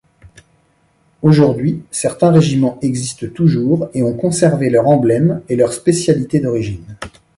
Aujourd'hui, certains régiments existent toujours et ont conservé leur emblème et leur spécialité d'origine.